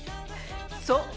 そう。